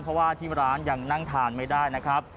เพราะว่าที่ร้านยังนั่งทานไม่ได้นะครับ